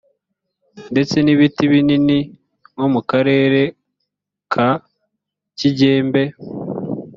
ndetse n ibiti binini nko mu karere ka kigembe